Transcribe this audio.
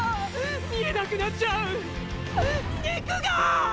見えなくなっちゃう筋肉が！！